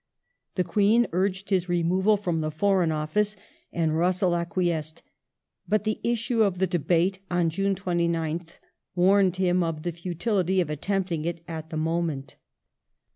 The Queen urged his removal from the Foreign Office, and Russell acquiesced, but the issue of the Debate on June 29th warned him of the futility of attempting it at the moment.